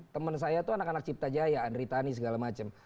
temen saya itu anak anak cipta jaya andri tani segala macam